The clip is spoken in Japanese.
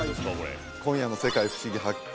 今夜の「世界ふしぎ発見！」